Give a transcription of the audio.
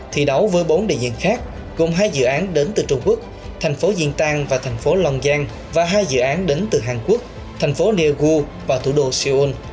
thi đấu với bốn đại diện khác gồm hai dự án đến từ trung quốc thành phố diên tang và thành phố long giang và hai dự án đến từ hàn quốc thành phố niêu gu và thủ đô seoul